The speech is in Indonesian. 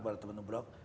buat teman teman bulog